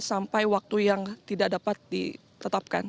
sampai waktu yang tidak dapat ditetapkan